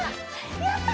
やった！